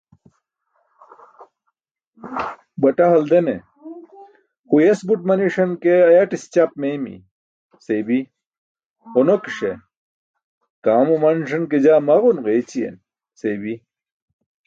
Baṭa haldene: "huyes buṭ maniṣan ke ayaṭis ćaap meeymi" seybi, ġunonikiṣe: "kaam umanṣan ke jaa maġun ġeeyćiyen" seybi.